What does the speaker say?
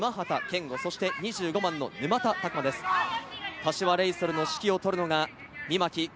柏レイソルの指揮をとるのが御牧考